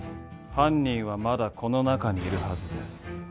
犯人はまだこの中にいるはずです。